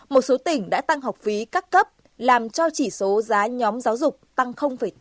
một số tỉnh đã tăng học phí các cấp làm cho chỉ số giá nhóm giáo dục tăng tám